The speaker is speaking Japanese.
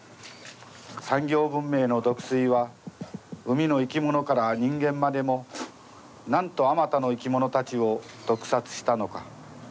産業文明の毒水は海の生き物から人間までもなんと数多の生き物たちを毒殺したのか。